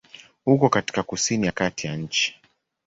Uko katika kusini ya kati ya nchi.